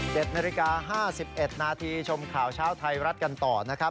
เด็ดนาฬิกา๕๑นาทีชมข่าวชาวไทยรัดกันต่อนะครับ